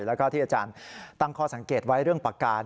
แล้วก็ที่อาจารย์ตั้งข้อสังเกตไว้เรื่องปากกา